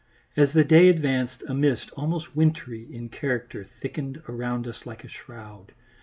As the day advanced a mist almost wintry in character thickened around us like a shroud.